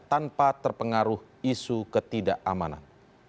tanpa terpengaruh isu ketidakamanan